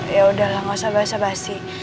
ya udahlah gak usah basa basi